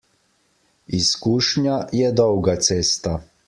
Izkušnja je dolga cesta.